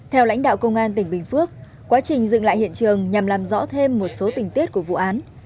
theo lãnh đạo công an tỉnh bình phước quá trình dựng lại hiện trường nhằm làm rõ thêm một số tình tiết của vụ án